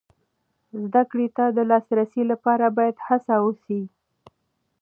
زده کړې ته د لاسرسي لپاره باید هڅه وسي.